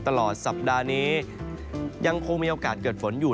ตลอดสัปดาห์นี้ยังคงมีโอกาสเกิดฝนอยู่